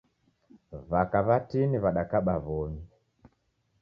W'aka w'atini w'adakaba w'omi.